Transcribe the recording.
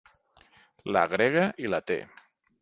La grega i la te.